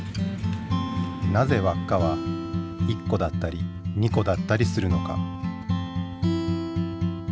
なぜ輪っかは１個だったり２個だったりするのか？